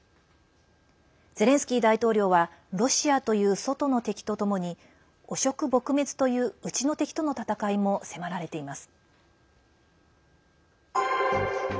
ゼレンスキー大統領はロシアという外の敵とともに汚職撲滅という内の敵との戦いも迫られています。